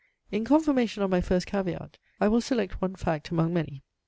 In confirmation of my first caveat, I will select one fact among many.